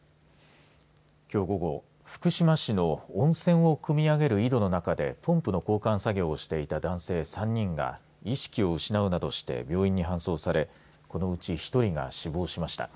きょう午後、福島市の温泉をくみ上げる井戸の中でポンプの交換作業をしていた男性３人が意識を失うなどして病院に搬送されこのうち１人が死亡しました。